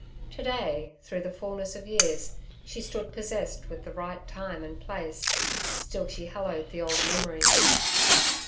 Today, through the fulness of years, she stood possessed with the right time and place, still she hallowed the old memories.